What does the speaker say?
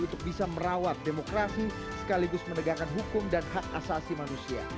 untuk bisa merawat demokrasi sekaligus menegakkan hukum dan hak asasi manusia